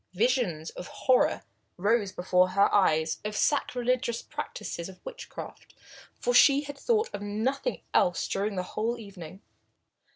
Visions of horror rose before her eyes of the sacrilegious practices of witchcraft, for she had thought of nothing else during the whole evening.